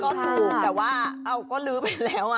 ก็ถูกแต่ว่าเอาก็ลื้อไปแล้ว